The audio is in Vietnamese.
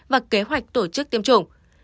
và kế hoạch tổ chức tiêm chủng